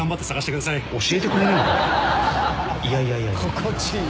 心地いい。